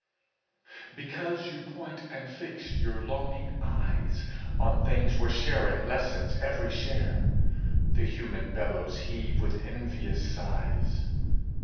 Because you point and fix your longing eyes On things where sharing lessens every share, The human bellows heave with envious sighs.